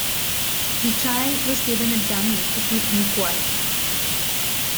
The child was given a dummy to keep him quiet